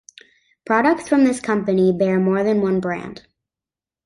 Products from this company bear more than one brand.